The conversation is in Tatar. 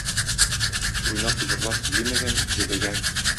Уйнап-җырлап биемәгән — җебегән.